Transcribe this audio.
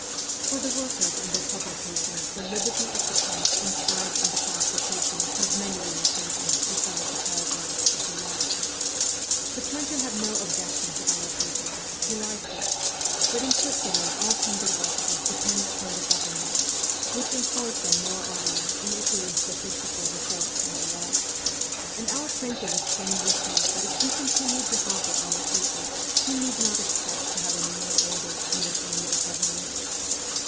For the workers and their publications the liberty of the Press inscribed in the Constitutions has many limitations beside the paragraphs of the law. The printer had no objection to our paper he liked it ; but in Switzerland all printing offices depend upon the government, which employs them more or less in issuing statistical reports and the like ; and our printer was plainly told that if he continued to harbour our paper he need not expect to have any more orders from the Geneva government.